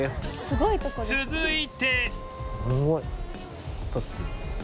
すごい。